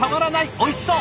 おいしそう！